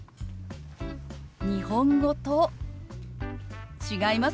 日本語と違いますよね。